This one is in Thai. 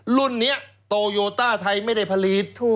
รุ่นนี้โตโยต้าไทยไม่ได้ผลิต